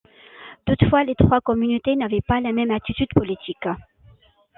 Toutefois, les trois communautés n'avaient pas la même attitude politique.